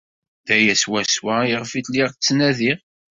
D aya swaswa ayɣef lliɣ ttnadiɣ.